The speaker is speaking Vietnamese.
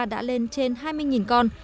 đã lên trên hai mươi con